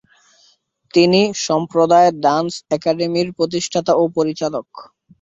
তিনি "সম্প্রদায় ডান্স একাডেমি-"র প্রতিষ্ঠাতা ও পরিচালক।